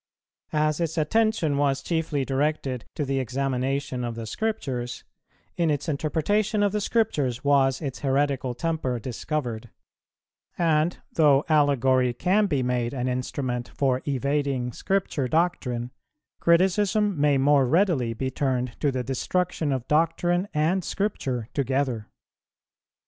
As its attention was chiefly directed to the examination of the Scriptures, in its interpretation of the Scriptures was its heretical temper discovered; and though allegory can be made an instrument for evading Scripture doctrine, criticism may more readily be turned to the destruction of doctrine and Scripture together.